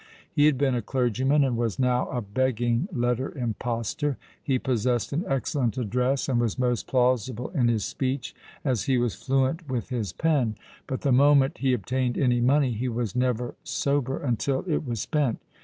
He had been a clergyman and was now a begging letter impostor. He possessed an excellent address, and was most plausible in his speech as he was fluent with his pen; but the moment he obtained any money, he was never sober until it was spent.